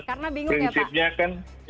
karena bingung ya pak